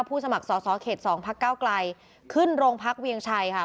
สมัครสอสอเขตสองพักเก้าไกลขึ้นโรงพักเวียงชัยค่ะ